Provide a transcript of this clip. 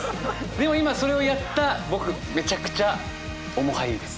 でも今それをやった僕めちゃくちゃ面映いです。